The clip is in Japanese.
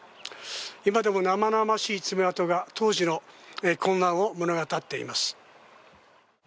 今でも生々しい爪痕が当時の混乱を物語っています。